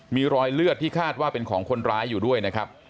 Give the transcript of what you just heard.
มีรอยเลือดที่คาดว่าเป็นของคนร้ายอยู่ด้วยนะครับ